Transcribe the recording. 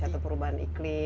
atau perubahan iklim